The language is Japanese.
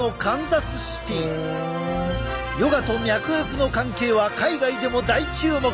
ヨガと脈拍の関係は海外でも大注目。